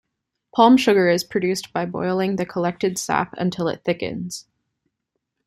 Palm sugar is produced by boiling the collected sap until it thickens.